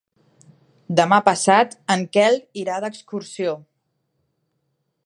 Demà passat en Quel irà d'excursió.